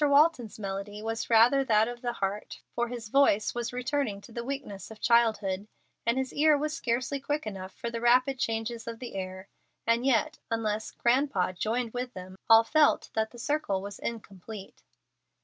Walton's melody was rather that of the heart, for his voice was returning to the weakness of childhood, and his ear was scarcely quick enough for the rapid changes of the air, and yet, unless "grandpa" joined with them, all felt that the circle was incomplete.